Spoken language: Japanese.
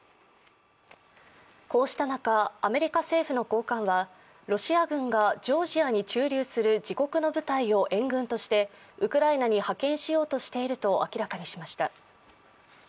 こうした中、アメリカ政府の高官はロシア軍がジョージアに駐留する自国の部隊を援軍としてウクライナに派遣しようとしていると明らかにしました。